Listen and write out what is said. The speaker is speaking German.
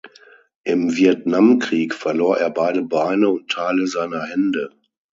Im Vietnamkrieg verlor er beide Beine und Teile seiner Hände.